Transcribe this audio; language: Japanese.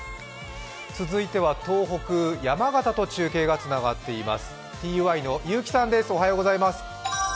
続いては東北山形と中継がつながっています。